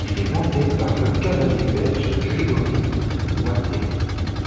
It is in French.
Il est monté par le cavalier belge Gregory Wathelet.